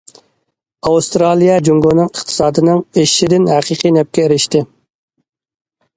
ئاۋسترالىيە جۇڭگونىڭ ئىقتىسادىنىڭ ئېشىشىدىن ھەقىقىي نەپكە ئېرىشتى.